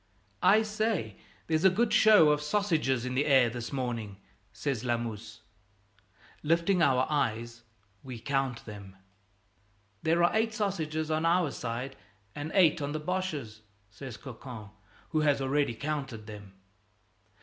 "I say, there's a good show of sausages in the air this morning," says Lamuse. Lifting our eyes, we count them. "There are eight sausages on our side and eight on the Boches'," says Cocon, who has already counted them.